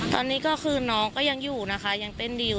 ตอนนี้น้องก็ยังอยู่นะคะยังเป็นดิว